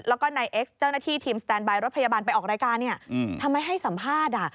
แล้วก็นายเอ็กซ์เจ้าหน้าที่ทีมสแตนบายรถพยาบาลไปออกรายการเนี่ยทำไมให้สัมภาษณ์